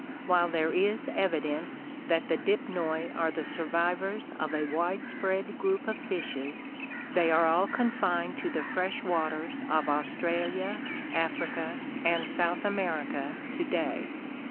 While there is evidence that the Dipnoi are the survivors of a widespread group of fishes, they are all con 76 ORGANIC EVOLUTION fined to the fresh waters of Australia, Africa, and South America to day.